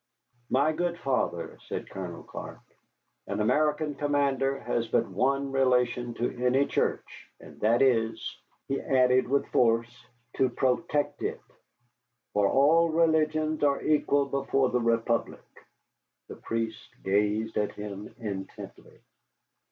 "My good Father," said Colonel Clark, "an American commander has but one relation to any church. And that is" (he added with force) "to protect it. For all religions are equal before the Republic." The priest gazed at him intently.